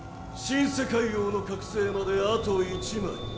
新世界王の覚醒まであと１枚。